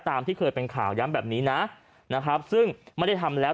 ที่เคยเป็นข่าวย้ำแบบนี้นะนะครับซึ่งไม่ได้ทำแล้ว